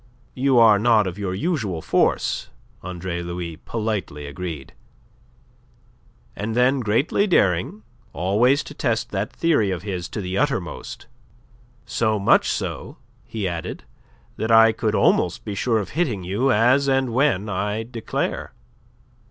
"You are not of your usual force," Andre Louis politely agreed. And then greatly daring, always to test that theory of his to the uttermost: "So much so," he added, "that I could almost be sure of hitting you as and when I declare."